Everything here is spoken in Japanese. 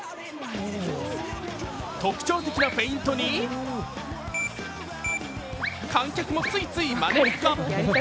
特徴的なフェイントに観客もついついまねっこ。